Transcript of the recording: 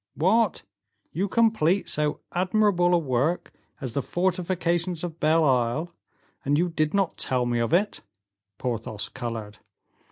"What! you complete so admirable a work as the fortifications of Belle Isle, and you did not tell me of it!" Porthos colored.